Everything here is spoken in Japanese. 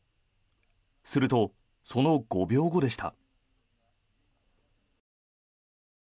すると、その５秒後でした。